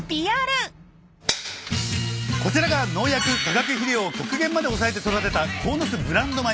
こちらが農薬化学肥料を極限まで抑えて育てた鴻巣ブランド米